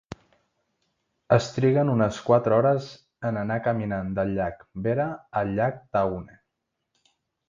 Es triguen unes quatre hores en anar caminant del llac Vera al llac Tahune.